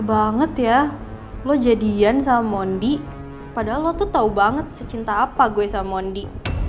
banget ya lo jadian sama mondi padahal lo tuh tau banget secinta apa gue sama mondi